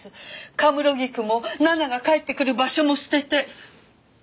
神室菊も奈々が帰ってくる場所も捨てて。